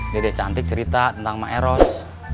dede cantik cerita tentang mak eros